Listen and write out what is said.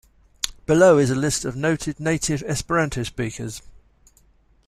Below is a list of noted native Esperanto speakers.